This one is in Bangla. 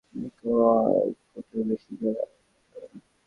এক কোয়ার্টের বেশি গেলা যাবে না।